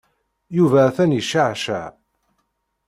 Yuba atan yecceɛceɛ.